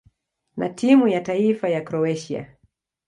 na timu ya taifa ya Kroatia.